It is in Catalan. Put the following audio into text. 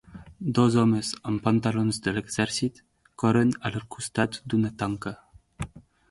Dos homes amb pantalons de l'exèrcit corren al costat d'una tanca.